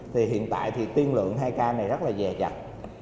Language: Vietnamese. thì hiện tại thì tiên lượng hai ca này rất là dè dặn